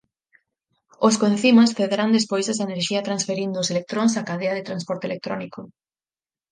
Os coencimas cederán despois esa enerxía transferindo os electróns á cadea de transporte electrónico.